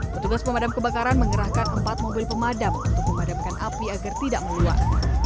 petugas pemadam kebakaran mengerahkan empat mobil pemadam untuk memadamkan api agar tidak meluap